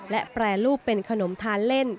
และแปรรูปเป็นขนมทานเล่น